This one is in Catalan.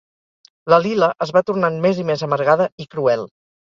La Lila es va tornant més i més amargada i cruel.